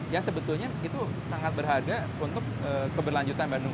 yang sebetulnya itu sangat berharga untuk keberlanjutan bandung